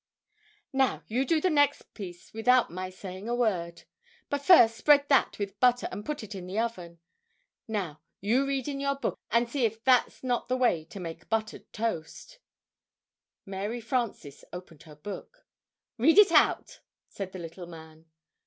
"Now, you do the next piece without my saying a word but first spread that with butter, and put it in the oven. Now, you read in your book, and see if that's not the way to make Buttered Toast." [Illustration: She opened her book.] Mary Frances opened her book. "Read it out!" said the little man.